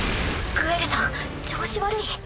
グエルさん調子悪い？